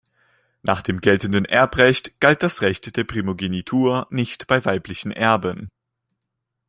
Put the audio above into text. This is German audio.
Nach dem geltenden Erbrecht galt das Recht der Primogenitur nicht bei weiblichen Erben.